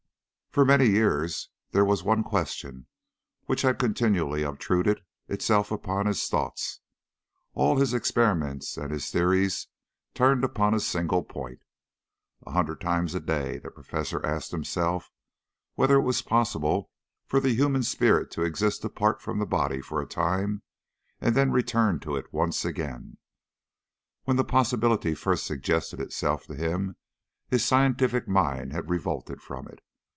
For many years there was one question which had continually obtruded itself upon his thoughts. All his experiments and his theories turned upon a single point. A hundred times a day the Professor asked himself whether it was possible for the human spirit to exist apart from the body for a time and then to return to it once again. When the possibility first suggested itself to him his scientific mind had revolted from it.